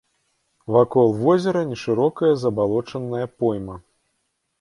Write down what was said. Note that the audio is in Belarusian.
Вакол возера нешырокая забалочаная пойма.